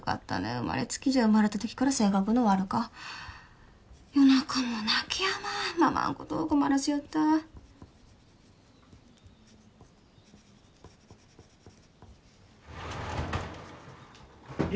生まれつきじゃ生まれた時から性格の悪か夜中も泣きやまんママんことを困らせよった博